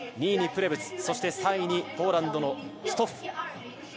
２位にプレブツ３位にポーランドのストッフ。